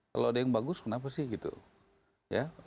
kalau ada yang bagus kenapa sih gitu ya